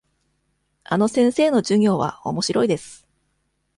あの先生の授業はおもしろいです。